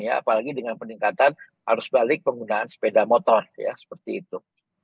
apalagi dengan peningkatan arus balik penggunaan sepeda motor ya seperti itu